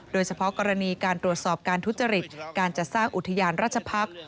โดยเฉพาะกรณีการตรวจสอบการทุจริตการจัดสร้างอุทยานราชพักษ์